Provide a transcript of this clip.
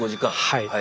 はい。